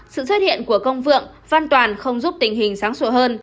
sự xuất hiện của công vượng văn toàn không giúp tình hình sáng sủa hơn